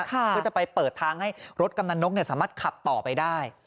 เพื่อจะไปเปิดทางให้รถกำนันนกสามารถขับต่อไปได้